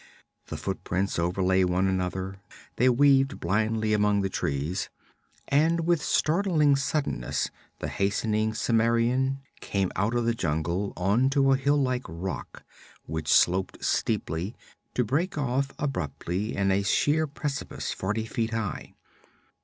The footprints overlay one another; they weaved blindly among the trees. And with startling suddenness the hastening Cimmerian came out of the jungle onto a hill like rock which sloped steeply, to break off abruptly in a sheer precipice forty feet high.